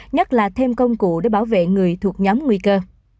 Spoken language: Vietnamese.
nhất là thêm công cụ để bảo vệ người thuộc nhóm nguy cơ